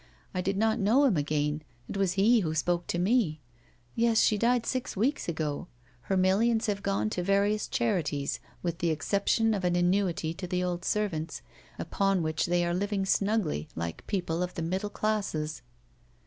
I did not know him again. It was he who spoke to me. Yes, she died six weeks ago. Her millions have gone to various charities, with the exception of an annuity to the old servants, upon which they are living snugly like people of the middle classes.